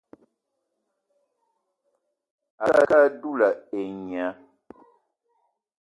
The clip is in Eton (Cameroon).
A ke á dula et nya